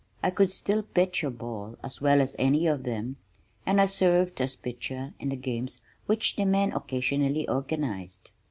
I could still pitch a ball as well as any of them and I served as pitcher in the games which the men occasionally organized.